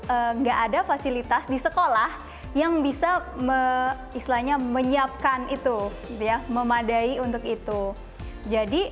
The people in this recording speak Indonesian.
enggak ada fasilitas di sekolah yang bisa istilahnya menyiapkan itu ya memadai untuk itu jadi